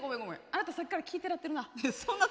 あなたさっきから奇ぃてらってるな？